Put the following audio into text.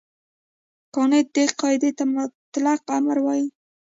کانټ دې قاعدې ته مطلق امر وايي.